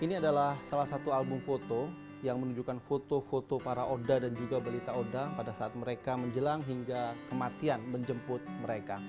ini adalah salah satu album foto yang menunjukkan foto foto para oda dan juga berita oda pada saat mereka menjelang hingga kematian menjemput mereka